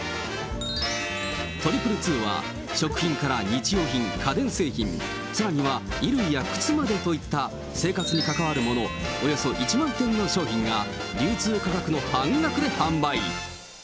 ２２２は、食品から日用品、家電製品、さらには衣類や靴までといった、生活に関わるもの、およそ１万点の商品が流通価格の半額で販売。